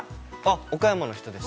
◆岡山の人です。